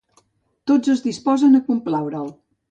Tots es disposen a complaure'l.